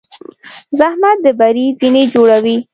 زحمت د بری زینې جوړوي.